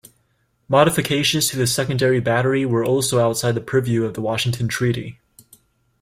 Modifications to the secondary battery were also outside the purview of the Washington Treaty.